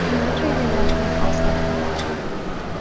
Tá madra rua mar pheata againn